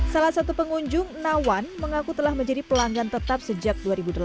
salah satu pengunjung nawan mengaku telah menjadi pelanggan tetap sejak dua ribu delapan belas